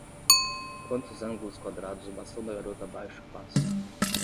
Quantos ângulos quadrados o bastão da garota abaixo passa?